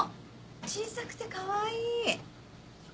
小さくてかわいい！